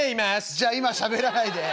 「じゃあ今しゃべらないで。